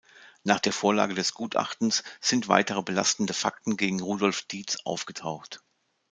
Nach der Vorlage des Gutachtens sind weitere belastende Fakten gegen Rudolf Dietz aufgetaucht.